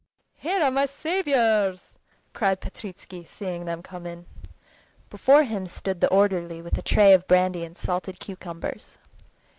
"Here are my saviors!" cried Petritsky, seeing them come in. Before him stood the orderly with a tray of brandy and salted cucumbers.